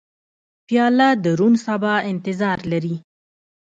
پیاله د روڼ سبا انتظار لري.